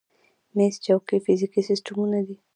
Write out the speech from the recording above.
میمز کوچني فزیکي سیسټمونه دي.